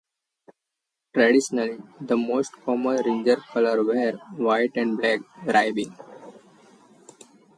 Traditionally, the most common ringer colors were white with black ribbing.